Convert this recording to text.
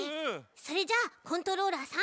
それじゃあコントローラーさん